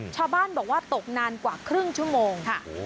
ชาวบ้านบอกว่าตกนานกว่าครึ่งชั่วโมงค่ะ